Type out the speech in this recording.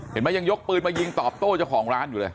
ยังยกปืนมายิงตอบโต้เจ้าของร้านอยู่เลย